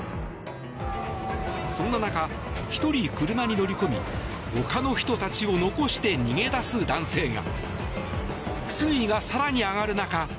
そんな中１人、車に乗り込み他の人たちを残して逃げ出す男性が。